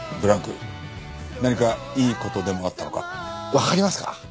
わかりますか？